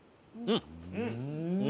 うん！